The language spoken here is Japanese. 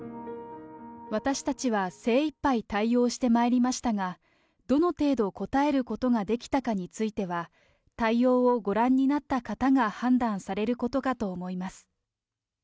私たちは精いっぱい対応してまいりましたが、どの程度応えることができたかについては、対応をご覧になった方が判断されることかと思います。